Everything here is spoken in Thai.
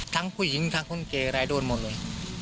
ทั้งผู้หญิงทั้งคนไก่ก็ได้ด้วยหมดเลย